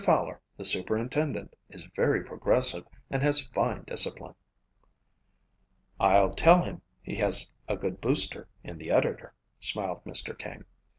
Fowler, the superintendent, is very progressive and has fine discipline." "I'll tell him he has a good booster in the editor," smiled Mr. King.